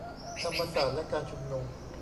ธรรมศาสตร์และการชุมนุม